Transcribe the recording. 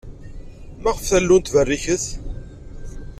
Maɣef tallunt berriket?